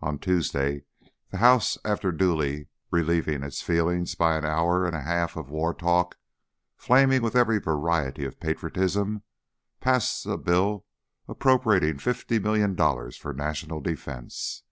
On Tuesday the House, after duly relieving its feelings by an hour and a half of war talk, flaming with every variety of patriotism, passed the bill appropriating $50,000,000 for the national defence.